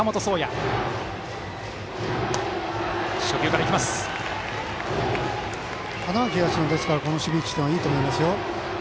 ですから、花巻東のこの守備位置はいいと思いますよ。